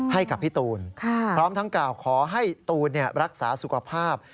ให้กับพี่ตูนพร้อมทั้งกล่าวขอให้ตูนรักษาสุขภาพ